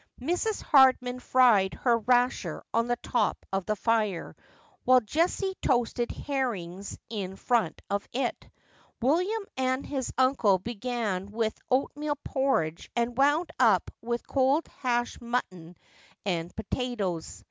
Mrs. Hardman fried her rasher on the top of the lire, while Jessie toasted herrings in front of it. William and his uncle began with oat meal porridge, and wound up with cold hashed mutton and potatoes.